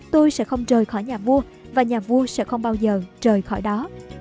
tôi sẽ không rời khỏi nhà vua và nhà vua sẽ không bao giờ trời khỏi đó